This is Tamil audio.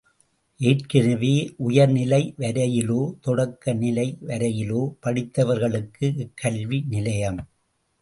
ஏற்கெனவே, உயர்நிலை வரையிலோ தொடக்க நிலை வரையிலோ படித்தவர்களுக்கு இக்கல்வி நிலையம்.